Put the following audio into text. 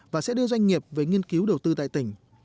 và sẽ đưa doanh nghiệp về nghiên cứu đầu tư tại tỉnh